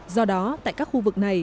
do đó tại các khu vực này